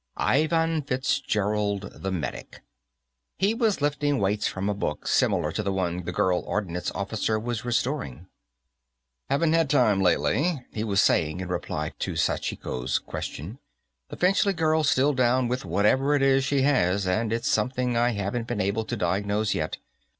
Ivan Fitzgerald, the medic. He was lifting weights from a book similar to the one the girl ordnance officer was restoring. "Haven't had time, lately," he was saying, in reply to Sachiko's question. "The Finchley girl's still down with whatever it is she has, and it's something I haven't been able to diagnose yet.